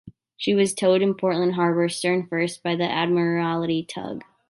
She was towed into Portland Harbour stern-first by an Admiralty tug.